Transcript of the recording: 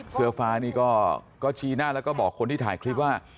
เสื้อฟ้านี่ก็ชี้หน้าแล้วก็บอกคนที่ถ่ายคลิปว่า